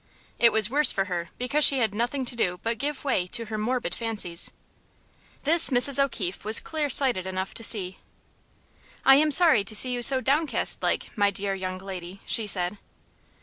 It was worse for her because she had nothing to do but give way to her morbid fancies. This Mrs. O'Keefe was clear sighted enough to see. "I am sorry to see you so downcast like, my dear young lady," she said.